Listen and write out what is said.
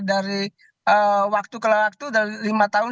dari waktu ke waktu dari lima tahun ke lima tahun